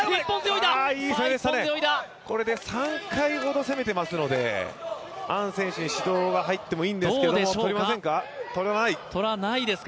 これで３回ほど攻めてますのでアン選手に指導が入ってもいいですけど、取らないですか？